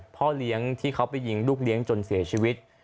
พ่อเลี้ยงที่เขาไปยิงลูกเลี้ยงจนเสียชีวิต